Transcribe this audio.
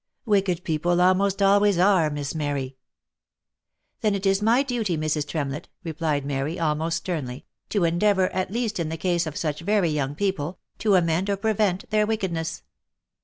«« Wicked people almost always are, Miss Mary." " Then it is my duty Mrs. Tremlett," replied Mary almost sternly, r to endeavour, at least in the case of such very young people, to 152 THE LIFE AND ADVENTURES amend, or prevent their wickedness.